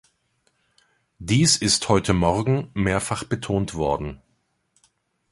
Dies ist heute morgen mehrfach betont worden.